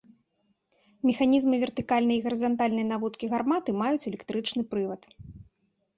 Механізмы вертыкальнай і гарызантальнай наводкі гарматы маюць электрычны прывад.